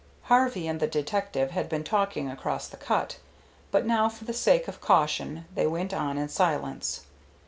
Harvey and the detective had been talking across the cut, but now for the sake of caution they went on in silence.